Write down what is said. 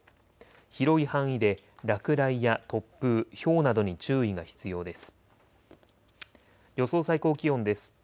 広い範囲で落雷や突風、ひょうなどに注意が必要です。